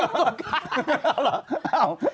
เอ้าหรอเอ้า